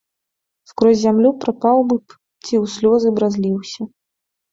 Скрозь зямлю прапаў бы б ці ў слёзы б разліўся!